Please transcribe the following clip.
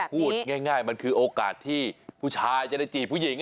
พูดง่ายมันคือโอกาสที่ผู้ชายจะได้จีบผู้หญิง